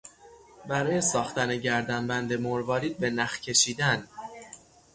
برای ساختن گردنبند مروارید به نخ کشیدن